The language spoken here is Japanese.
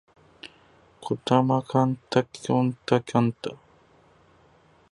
児玉幹太児玉幹太